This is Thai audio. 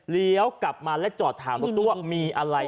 เลี้ยวกลับมาแล้วจอดถามรถตู้ว่ามีอะไร